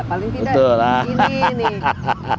paling tidak ini nih